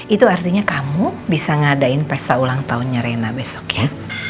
itu artinya kamu bisa ngadain pesta ulang tahun typicalnya ryana besok ya